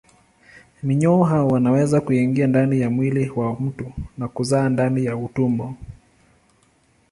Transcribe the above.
Minyoo hao wanaweza kuingia ndani ya mwili wa mtu na kuzaa ndani ya utumbo.